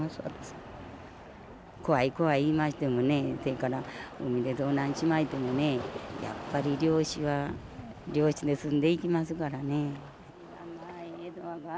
怖い怖い言いましてもねそれから海で遭難しましてもねやっぱり漁師は漁師ですんで行きますからね。